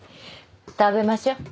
食べましょ。